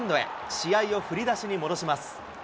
試合を振り出しに戻します。